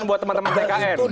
buat teman teman tkn